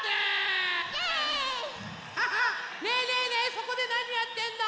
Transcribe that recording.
そこでなにやってんの？